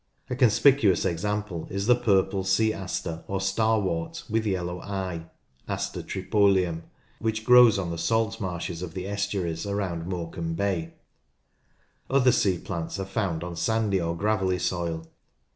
A conspicuous example is the purple sea aster or starwort with yellow eye [Aster tripolium), which grows on the salt marshes of the estuaries around Morecambe Bay. Other sea plants are found on sandy or gravelly soil.